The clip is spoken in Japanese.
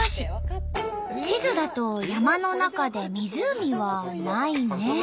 地図だと山の中で湖はないねえ。